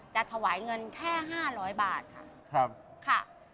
จะถวายเงินแค่๕๐๐บาทค่ะ